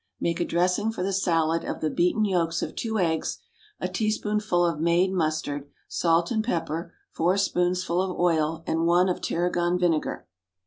Make a dressing for the salad of the beaten yolks of two eggs, a teaspoonful of made mustard, salt and pepper, four spoonsful of oil, and one of tarragon vinegar.